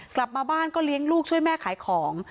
กลับมาบ้านก็เลี้ยงลูกช่วยแม่ขายของ